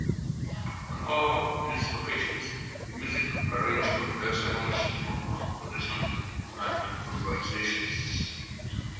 On all these occasions, the music is arranged from Liebman's own compositions and improvisations.